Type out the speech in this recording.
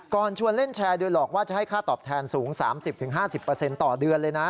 ชวนเล่นแชร์โดยหลอกว่าจะให้ค่าตอบแทนสูง๓๐๕๐ต่อเดือนเลยนะ